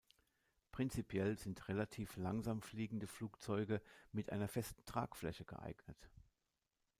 Prinzipiell sind relativ langsam fliegende Flugzeuge mit einer festen Tragfläche geeignet.